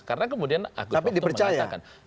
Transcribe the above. karena kemudian agus maftuh mengatakan